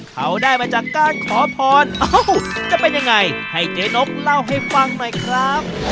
เขาได้มาจากการขอพรเอ้าจะเป็นยังไงให้เจ๊นกเล่าให้ฟังหน่อยครับ